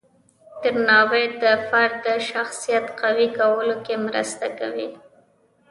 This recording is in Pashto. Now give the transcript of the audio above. درناوی د فرد د شخصیت قوی کولو کې مرسته کوي.